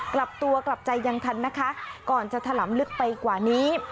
กลับตัวกลับใจยังทันนะคะก่อนจะถลำลึกไปกว่านี้